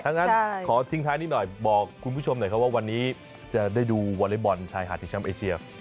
ทั้งหน้าขอทิ้งท้ายนิดหน่อยบอกคุณผู้ชมหน่อยก็ว่าวันนี้จะได้ดูวอลเลบอลชายหาที่ช่องเอเชีย